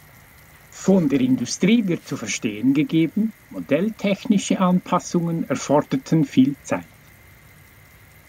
Von der Industrie wird zu verstehen gegeben, modelltechnische Anpassungen erforderten viel Zeit.